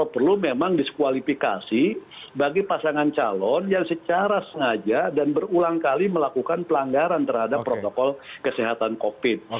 perlu memang diskualifikasi bagi pasangan calon yang secara sengaja dan berulang kali melakukan pelanggaran terhadap protokol kesehatan covid